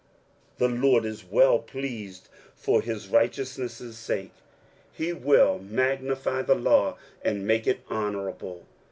23:042:021 The LORD is well pleased for his righteousness' sake; he will magnify the law, and make it honourable.